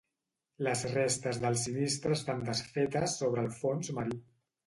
Les restes del sinistre estan desfetes sobre el fons marí.